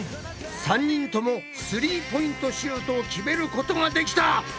３人ともスリーポイントシュートを決めることができた！ということで！